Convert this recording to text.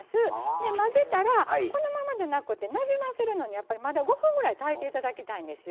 で混ぜたらこのままじゃなくてなじませるのにまだ５分ぐらい炊いていただきたいんですよ。